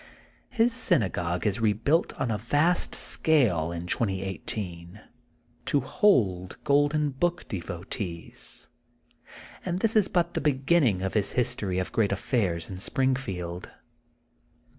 His synagogue is rebuilt on a vast scale in 2018 to hold Golden Book devotees; And this is but the beginning of his history of great affairs in Springfield.